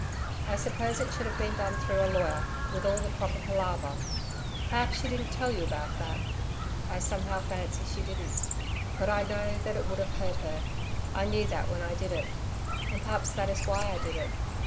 I suppose it should have been done through a lawyer, with all the proper palaver. Perhaps she didn't tell you about that. I somehow fancy she didn't. But I know that it would have hurt her I knew that when I did it. And perhaps that is why I did it.